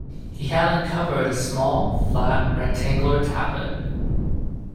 He had uncovered a small, flat, rectangular tablet.